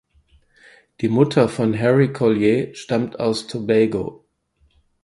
Die Mutter von Harry Collier stammt aus Tobago.